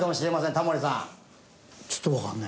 タモリさん